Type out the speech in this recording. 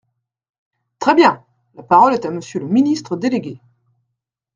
Très bien ! La parole est à Monsieur le ministre délégué.